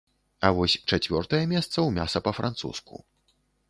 А вось чацвёртае месца ў мяса па-французску.